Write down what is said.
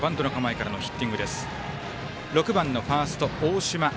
６番のファースト、大島。